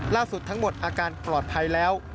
ล่าสุดทั้งหมดอาการปลอดภัยแล้ว